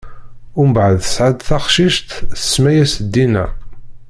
Mbeɛd, tesɛa-d taqcict, tsemma-yas Dina.